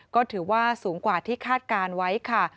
ก็ถือว่าสูงกว่าที่คาดการณ์ไว้ค่ะ